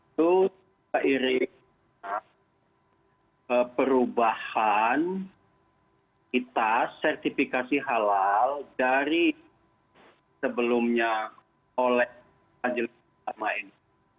itu seiring perubahan kita sertifikasi halal dari sebelumnya oleh majelis ulama ini